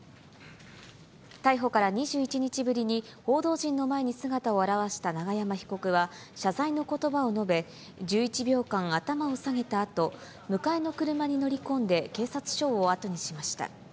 逮捕から２１日ぶりに報道陣の前に姿を現した永山被告は、謝罪のことばを述べ、１１秒間、頭を下げたあと、迎えの車に乗り込んで警察署を後にしました。